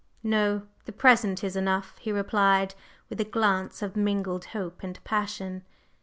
"No. The present is enough," he replied, with a glance of mingled hope and passion.